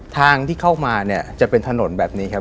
ทางที่เข้ามาเนี่ยจะเป็นถนนแบบนี้ครับ